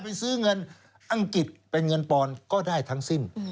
ไปซื้อเงินอังกฤษเป็นเงินปอนก็ได้ทั้งสิ้น